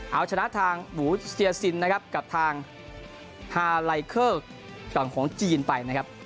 เอาชนะทางหูเสียสินกับทางฮาไลเคอร์ของจีนไปนะครับ